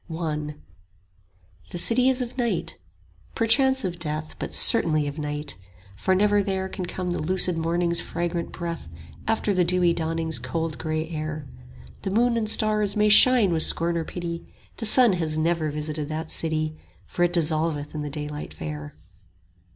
I The City is of Night; perchance of Death But certainly of Night; for never there Can come the lucid morning's fragrant breath After the dewy dawning's cold grey air: The moon and stars may shine with scorn or pity 5 The sun has never visited that city, For it dissolveth in the daylight fair.